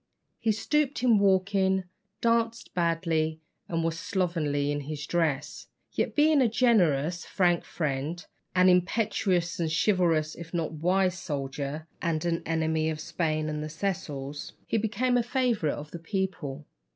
He stooped in walking, danced badly, and was slovenly in his dress; yet being a generous, frank friend, an impetuous and chivalrous if not wise soldier, and an enemy of Spain and the Cecils, he became a favourite of the people.